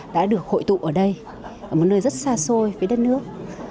đã được hội tụ ở đây ở một nơi rất xa xôi với đất nước